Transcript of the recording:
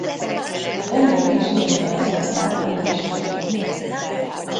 A tenger mélysége a bejáratnál négy és fél méter.